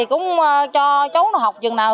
cũng cho cháu nó học chừng nào